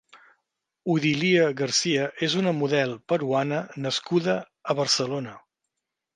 Odilia García és una model -peruana nascuda a Barcelona.